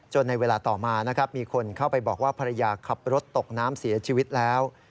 ในเวลาต่อมานะครับมีคนเข้าไปบอกว่าภรรยาขับรถตกน้ำเสียชีวิตแล้ว